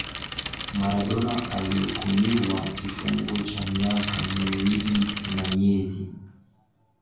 Maradona alihukumiwa kifungo cha miaka miwili na miezi